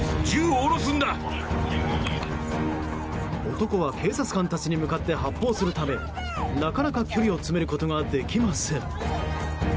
男は警察官たちに向かって発砲するためなかなか距離を詰めることができません。